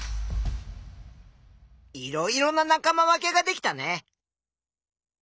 いろいろな仲間分けができたね。